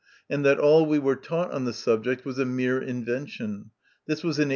and that all we were taught on the subject was a mere invention (this was in 1838).